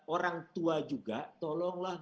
orang tua juga tolonglah